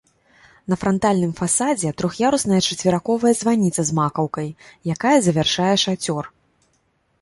На франтальным фасадзе трох'ярусная чацверыковая званіца з макаўкай, якая завяршае шацёр.